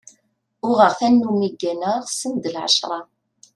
Uɣeɣ tanumi gganeɣ send lɛecṛa.